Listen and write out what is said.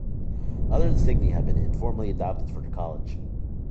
Other insignia have been informally adopted for the college.